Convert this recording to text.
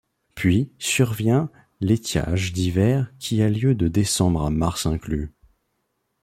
Puis survient l'étiage d'hiver qui a lieu de décembre à mars inclus.